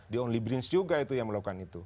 di only brins juga itu yang melakukan itu